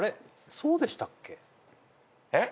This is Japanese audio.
そうでしたっけ？